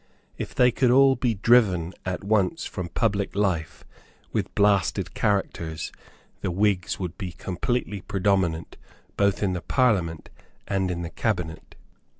If they could all be driven at once from public life with blasted characters, the Whigs would be completely predominant both in the Parliament and in the Cabinet.